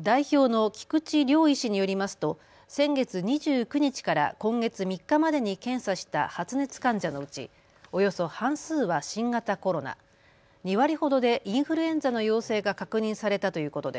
代表の菊池亮医師によりますと先月２９日から今月３日までに検査した発熱患者のうちおよそ半数は新型コロナ、２割ほどでインフルエンザの陽性が確認されたということです。